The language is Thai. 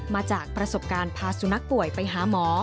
มาจากประสบการณ์พาสุนัขป่วยไปหาหมอ